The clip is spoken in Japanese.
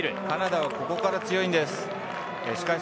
カナダはここから強いんです。